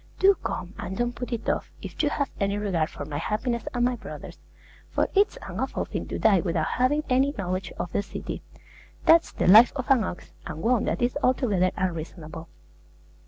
Do come, and don't put it off, if you have any regard for my happiness and my brothers'; for it's an awful thing to die without having any knowledge of the city. That's the life of an ox; and one that is altogether unreasonable.